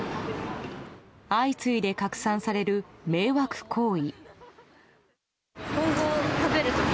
相次いで拡散される迷惑行為。